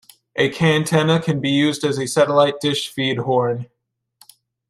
A cantenna can be used as a satellite dish feed horn.